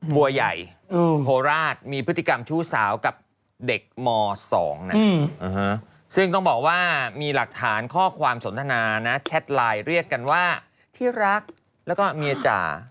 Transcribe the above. บัวใหญ่โคราชมีพฤติกรรมชู้สาวกับเด็กม๒นะซึ่งต้องบอกว่ามีหลักฐานข้อความสนทนานะแชทไลน์เรียกกันว่าที่รักแล้วก็เมียจ่า